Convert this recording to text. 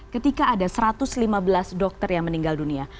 ketika ada satu ratus lima belas dokter yang meninggal dunia